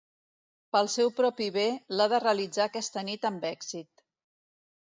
Pel seu propi bé, l'ha de realitzar aquesta nit amb èxit.